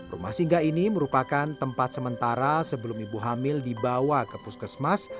rumah singgah ini merupakan tempat sementara sebelum ibu hamil dibawa ke puskesmas